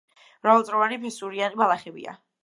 მრავალწლოვანი ფესურიანი ბალახებია.